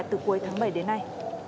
từ cuối tháng bảy đến nay